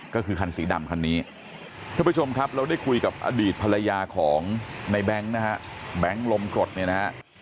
ก็คือคันสีดำคันนี้ท่านผู้ชมครับเราได้คุยกับอดีตภรรยาของในแบงค์นะฮะแบงค์ลมกรดเนี่ยนะฮะ